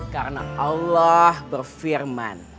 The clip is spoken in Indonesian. karena allah berfirman